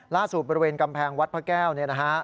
ล่าสู่บริเวณกำแพงวัดพระแก้วนี่นะฮะ